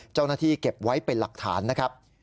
เจ้าหน้าที่เก็บไว้เป็นหลักฐานนะครับ